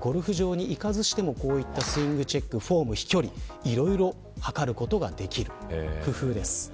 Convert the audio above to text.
ゴルフ場に行かずにスイングチェックやフォームや飛距離いろいろ測ることができる工夫です。